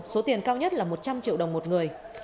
số tiền cao nhất là một trăm linh triệu đồng một người